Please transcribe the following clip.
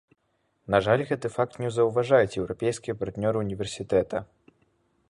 На жаль, гэты факт не заўважаюць еўрапейскія партнёры ўніверсітэта.